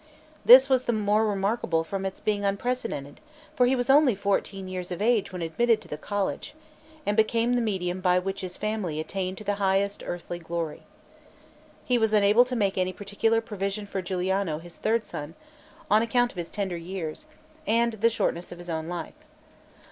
This was the more remarkable from its being unprecedented; for he was only fourteen years of age when admitted to the college; and became the medium by which his family attained to the highest earthly glory. He was unable to make any particular provision for Guiliano, his third son, on account of his tender years, and the shortness of his own life.